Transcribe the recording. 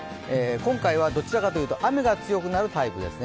今回はどちらかというと雨が強くなるタイプですね。